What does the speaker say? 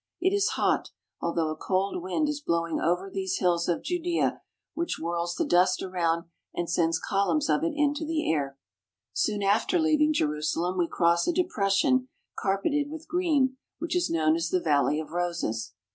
It is hot, although a cold wind is blowing over these hills of Judea which whirls the dust around and sends columns of it into the air. Soon after leaving Jerusalem we cross a depression carpeted with green, which is known as the Valley of Roses.